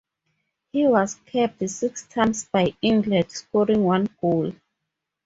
He was capped six times by England, scoring one goal.